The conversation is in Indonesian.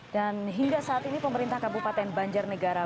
dan hingga saat ini pemerintah kabupaten banjar negara